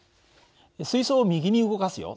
水そうを右に動かすよ。